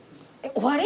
終わり？